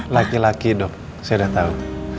laki laki dok saya udah tau